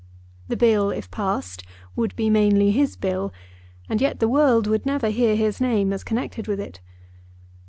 The Bill, if passed, would be mainly his Bill, and yet the world would never hear his name as connected with it.